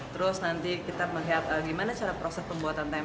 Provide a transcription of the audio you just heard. terus nanti kita melihat gimana cara proses pembuatan tempe